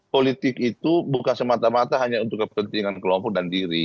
politik itu bukan semata mata hanya untuk kepentingan kelompok dan diri